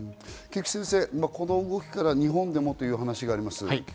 菊地先生、この動きから日本でもという話があります。